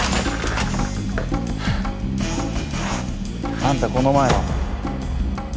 あんたこの前の。